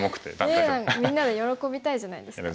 ええみんなで喜びたいじゃないですか。